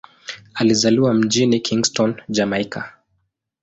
Alizaliwa mjini Kingston, Jamaika.